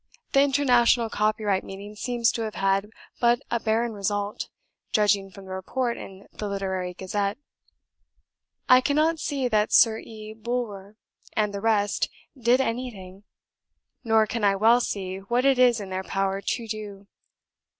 ... The International Copyright Meeting seems to have had but a barren result, judging from the report in the Literary Gazette. I cannot see that Sir E. Bulwer and the rest DID anything; nor can I well see what it is in their power to do.